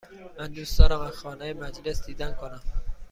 من دوست دارم از خانه مجلس دیدن کنم.